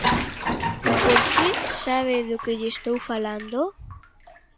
Porque ¿sabe do que lle estou falando?